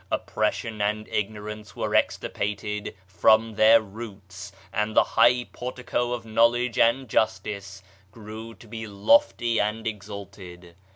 Oppression and ignorance were extirpated from their roots, and the high por tico of knowledge and justice grew to be lofty and exalted.